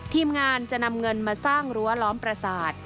ทีมงานจะนำเงินมาสร้างรั้วล้อมประสาท